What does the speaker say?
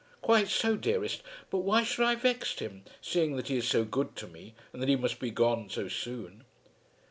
"Quite so, dearest; but why should I have vexed him, seeing that he is so good to me, and that he must be gone so soon?"